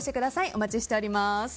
お待ちしております。